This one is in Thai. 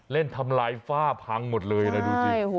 เล่นทำลายฝ้าพังหมดเลยนะดูจริง